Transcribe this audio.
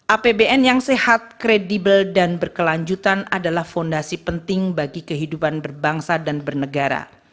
apbn yang sehat kredibel dan berkelanjutan adalah fondasi penting bagi kehidupan berbangsa dan bernegara